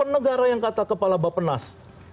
negara yang kata kepala bapenas